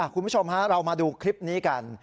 คุณผู้ชมฮะเรามาดูคลิปนี้กัน